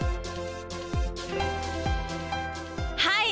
はい。